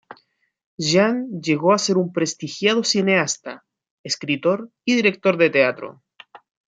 Jean llegó a ser un prestigiado cineasta, escritor y director de teatro.